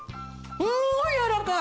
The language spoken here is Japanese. すごいやわらかい！